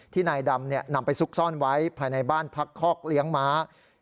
นายดำนำไปซุกซ่อนไว้ภายในบ้านพักคอกเลี้ยงม้า